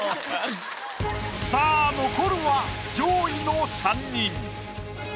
さあ残るは上位の３人。